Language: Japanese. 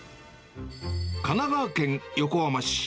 神奈川県横浜市。